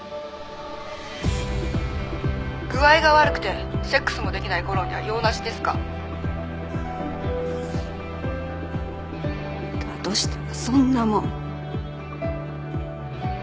「具合が悪くてセックスもできない吾良には用なしですか？」だとしたらそんなもん。